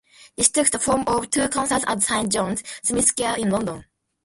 This took the form of two concerts at Saint John's, Smith Square in London.